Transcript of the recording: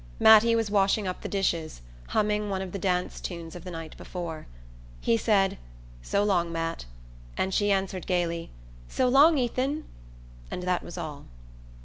Mattie was washing up the dishes, humming one of the dance tunes of the night before. He said "So long, Matt," and she answered gaily "So long, Ethan"; and that was all.